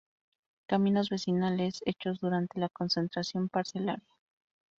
Caminos vecinales hechos durante la concentración parcelaria.